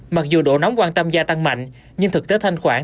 mặc dù độ nóng quan tâm gia tăng mạnh nhưng thực tế thanh khoản